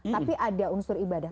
tapi ada unsur ibadah